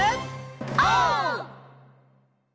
オー！